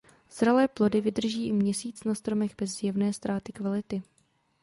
Zralé plody vydrží i měsíc na stromech bez zjevné ztráty kvality.